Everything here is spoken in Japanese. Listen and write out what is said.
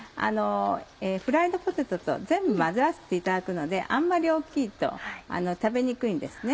フライドポテトと全部混ぜ合わせていただくのであんまり大きいと食べにくいんですね。